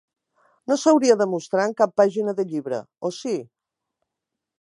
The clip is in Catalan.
No s'hauria de mostrar en cap pàgina de llibre, o sí?